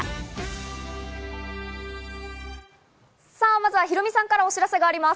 まずはヒロミさんからお知らせがあります。